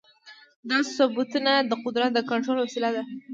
دا ثبتونه د قدرت د کنټرول وسیله وه.